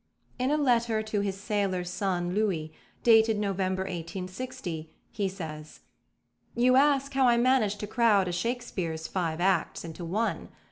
In a letter to his sailor son, Louis, dated November 1860, he says: "You ask how I manage to crowd a Shakespeare's five acts into one.